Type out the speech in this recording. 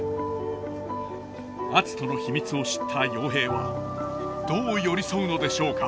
篤人の秘密を知った陽平はどう寄り添うのでしょうか。